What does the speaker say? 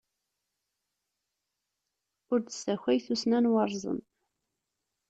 Ur d-ssakay tussna n waṛẓen!